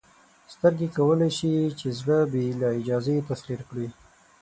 سترګې کولی شي چې زړه بې له اجازې تسخیر کړي.